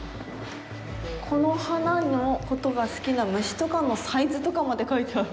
この花のことが好きな虫とかのサイズとかで描いててある。